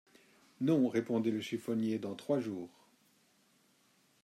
Non, répondit le chiffonnier, dans trois jours.